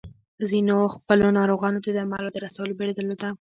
ځينو خپلو ناروغانو ته د درملو د رسولو بيړه درلوده.